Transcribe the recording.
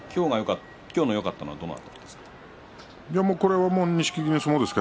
今日、よかったのはどの辺りですか？